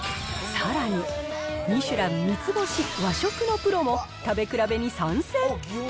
さらに、ミシュラン３つ星、和食のプロも、食べ比べに参戦。